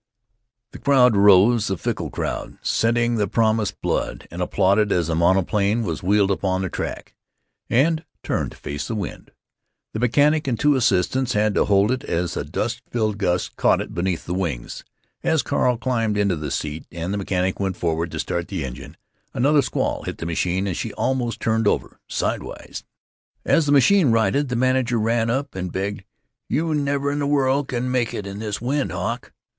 The crowd rose, the fickle crowd, scenting the promised blood, and applauded as the monoplane was wheeled upon the track and turned to face the wind. The mechanic and two assistants had to hold it as a dust filled gust caught it beneath the wings. As Carl climbed into the seat and the mechanic went forward to start the engine, another squall hit the machine and she almost turned over sidewise. As the machine righted, the manager ran up and begged: "You never in the world can make it in this wind, Hawk.